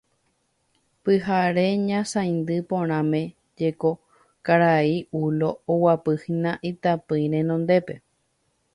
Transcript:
Pyhare ñasaindy porãme jeko karai Ulo oguapyhína itapỹi renondépe.